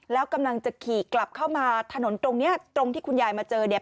แล้วกำลังจะขี่กลับเข้ามาถนนตรงเนี้ยตรงที่คุณยายมาเจอเนี่ย